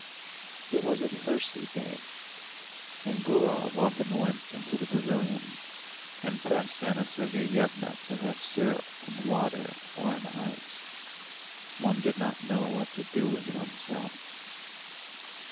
It was a thirsty day, and Gurov often went into the pavilion, and pressed Anna Sergeyevna to have syrup and water or an ice. One did not know what to do with oneself.